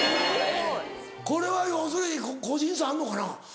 これは要するに個人差あんのかな？